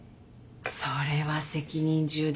それは責任重大だ。